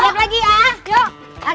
siap lagi ya